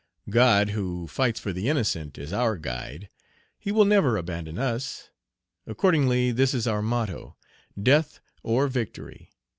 God, who fights for the innocent, is our guide; he will never abandon us. Accordingly, this is our motto, Death or Victory!